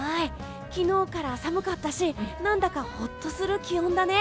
昨日から寒かったし何だかほっとする気温だね。